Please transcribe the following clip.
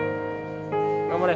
頑張れ。